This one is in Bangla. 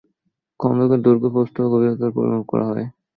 খন্দকের দৈর্ঘ্য, প্রস্থ এবং গভীরতার পরিমাপ করা হয়।